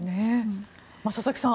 佐々木さん